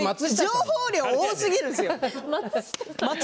情報量多すぎるんですよ。